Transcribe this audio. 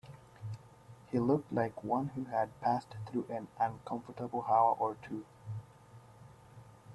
He looked like one who had passed through an uncomfortable hour or two.